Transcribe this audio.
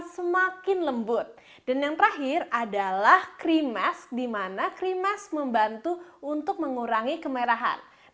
semakin lembut dan yang terakhir adalah krimas dimana krimas membantu untuk mengurangi kemerahan